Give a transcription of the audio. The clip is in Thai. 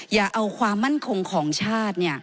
อย่าเอาความมั่นคงของชาติ